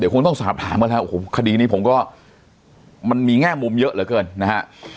เดี๋ยวคุณต้องสาบถามก่อนนะครับคดีนี้ผมก็มันมีแง่มุมเยอะเหลือเกินนะฮะ